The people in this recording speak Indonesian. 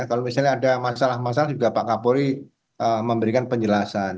kalau misalnya ada masalah masalah juga pak kapolri memberikan penjelasan